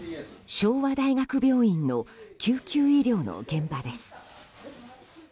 昭和大学病院の救急医療の現場です。